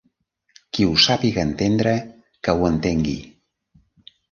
Qui ho sàpiga entendre, que ho entengui.